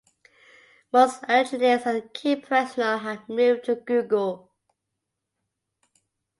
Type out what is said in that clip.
Most engineers and key personnel have moved to Google.